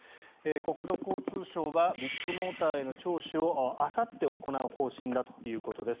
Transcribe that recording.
国土交通省はビッグモーターへの聴取をあさって行う方針だということです。